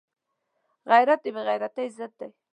غیرت د بې عزتۍ ضد دی